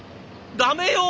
ダメよ！